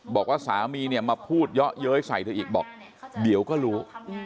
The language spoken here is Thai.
บอกว่าสามีเนี่ยมาพูดเยอะเย้ยใส่เธออีกบอกเดี๋ยวก็รู้